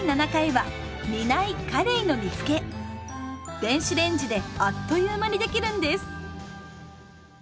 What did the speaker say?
電子レンジであっという間に出来るんです。